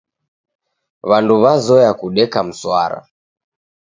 W'andu w'azoya kudeka mswara.